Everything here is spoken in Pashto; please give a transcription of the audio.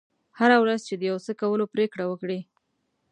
هره ورځ چې د یو څه کولو پرېکړه وکړه.